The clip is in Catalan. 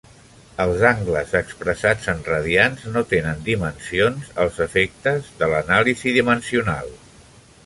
Els angles expressats en radians no tenen dimensions, als efectes de l'anàlisi dimensional.